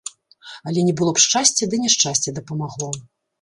Але не было б шчасця, ды няшчасце дапамагло.